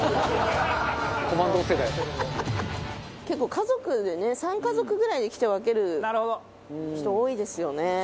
結構家族でね３家族ぐらいで来て分ける人多いですよね。